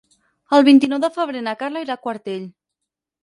El vint-i-nou de febrer na Carla irà a Quartell.